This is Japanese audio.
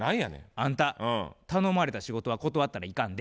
「あんた頼まれた仕事は断ったらいかんで」。